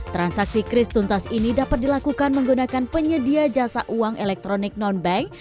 transaksi kris tuntas ini dapat dilakukan menggunakan penyedia jasa uang elektronik non bank